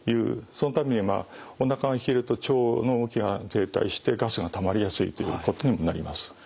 そのためにまあおなかが冷えると腸の動きが停滞してガスがたまりやすいということにもなります。